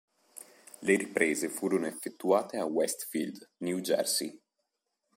Le riprese furono effettuate a Westfield, New Jersey.